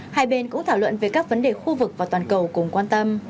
hai bên cũng thảo luận về các vấn đề khu vực và toàn cầu cùng quan tâm